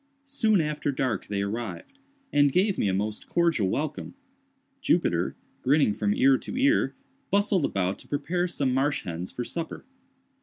Soon after dark they arrived, and gave me a most cordial welcome. Jupiter, grinning from ear to ear, bustled about to prepare some marsh hens for supper.